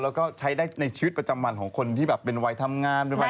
แล้วก็ใช้ได้ในชีวิตประจำวันของคนที่แบบเป็นวัยทำงานเป็นวัย